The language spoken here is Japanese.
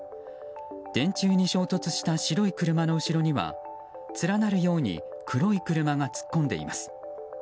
電柱に衝突した白い車の後ろには連なるように黒い車が突っ込んでいます。